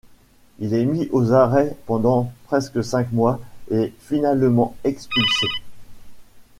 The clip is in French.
Il est mis aux arrêts pendant presque cinq mois et finalement expulsé.